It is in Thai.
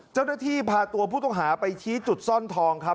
เจ้าหน้าที่พาตัวผู้ต้องหาไปชี้จุดซ่อนทองครับ